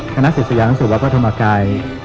คณะศิษยานรสุทธิ์วัตถมกาย